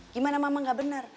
gimana mama gak benar